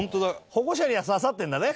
「保護者には刺さってんだね」